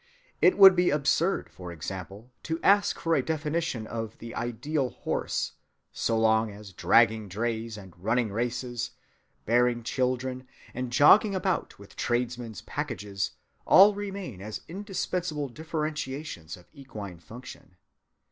It would be absurd, for example, to ask for a definition of "the ideal horse," so long as dragging drays and running races, bearing children, and jogging about with tradesmen's packages all remain as indispensable differentiations of equine function.